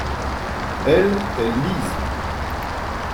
Elles, elles lisent.